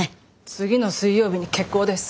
次の水曜日に決行です！